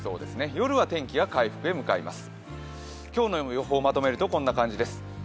夜は天気が回復に向かいます。